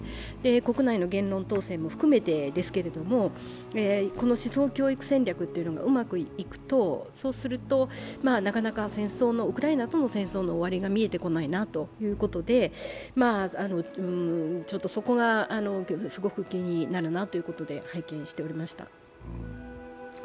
国内の言論統制も含めてですけどこの思想教育戦略がうまくいくと、なかなか戦争の終わりが見えてこないなということでちょっとそこがすごく気になるなということで拝見しておりました。